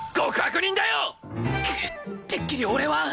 クッてっきり俺は